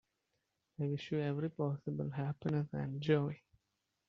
I wish you every possible happiness and joy.